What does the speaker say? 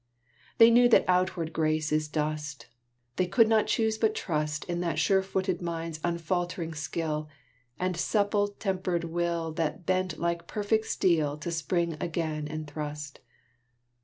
They knew that outward grace is dust; They could not choose but trust In that sure footed mind's unfaltering skill, And supple tempered will That bent like perfect steel to spring again and thrust.